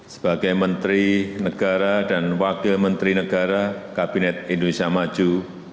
sebagai menteri negara dan wakil menteri negara kabinet indonesia maju